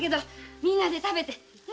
みんなで食べてね。